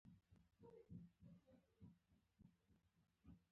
بیلابیلو ځایونو ته